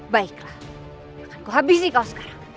baiklah aku habisi kau sekarang